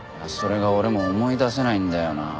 それが俺も思い出せないんだよな。